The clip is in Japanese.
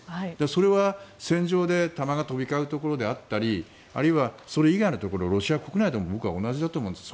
それは戦場で弾が飛び交うところであったりあるいはそれ以外のところロシア国内でも僕は同じだと思うんです。